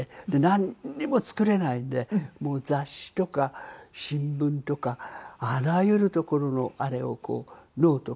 なんにも作れないんで雑誌とか新聞とかあらゆるところのあれをノート。